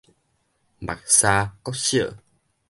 木柵國小